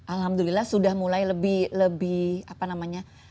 alhamdulillah sudah mulai lebih lebih apa namanya